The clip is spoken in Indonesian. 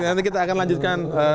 nanti kita akan lanjutkan